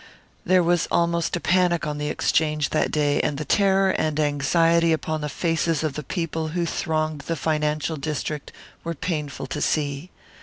There was almost a panic on the Exchange that day, and the terror and anxiety upon the faces of the people who thronged the financial district were painful to see.